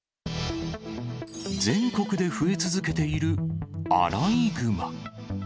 全国で増え続けているアライグマ。